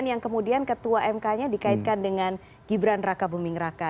yang kemudian ketua mk nya dikaitkan dengan gibran raka buming raka